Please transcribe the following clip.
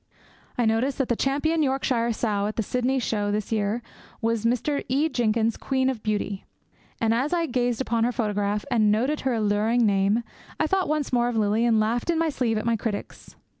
I notice that the champion Yorkshire sow at the Sydney Show this year was Mr. E. Jenkins' 'Queen of Beauty'; and as I gazed upon her photograph and noted her alluring name, I thought once more of Lily and laughed in my sleeve at my critics.